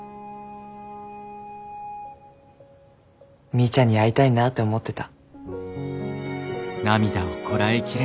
みーちゃんに会いたいなって思ってた。